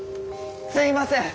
すいません！